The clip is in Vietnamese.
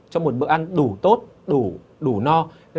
cho một bữa ăn đủ tốt đủ no